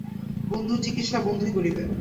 বন্ধুর চিকিৎসা বন্ধুই করিবে।